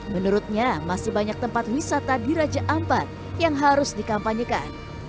menurutnya masih banyak tempat wisata di raja ampat yang harus dikampanyekan